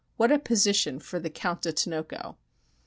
What a position for the "Count de Tinoco"!